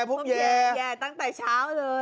ผมแย่ตั้งแต่เช้าเลย